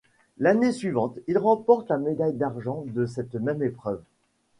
L'année suivante, il remporte la médaille d'argent de cette même épreuve.